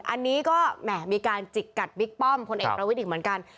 อันนี้ก็แหม่มีการจิกกัดบิ๊กป้อมพลเอกประวิทย์อีกเหมือนกัน